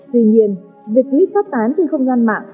tuy nhiên việc clip phát tán trên không gian mạng